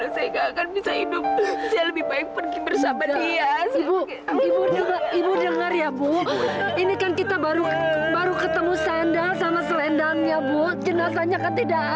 sampai jumpa di video selanjutnya